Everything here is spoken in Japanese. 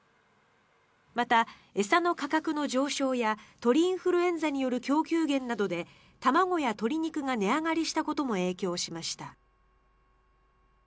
また、餌の価格の上昇や鳥インフルエンザによる供給減などで卵や鶏肉が値上がりしたことも影響しました。